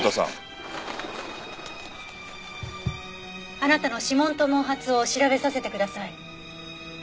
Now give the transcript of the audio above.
あなたの指紋と毛髪を調べさせてください。